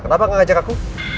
kenapa gak ngajak aku